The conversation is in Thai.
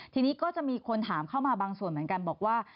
ทีนี้ก็จะมีคนถามเข้ามาบางส่วนเหมือนกันบอกว่า